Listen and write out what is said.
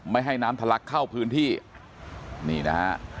ไม่ให้น้ำทะลักเข้าพื้นที่นี่นะฮะ